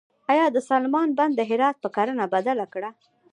آیا د سلما بند د هرات کرنه بدله کړه؟